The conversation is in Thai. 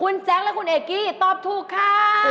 คุณแจ๊คและคุณเอกกี้ตอบถูกค่ะ